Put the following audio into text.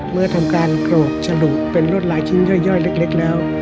เมื่อทำการกรอกฉลุเป็นรวดลายชิ้นย่อยเล็กแล้ว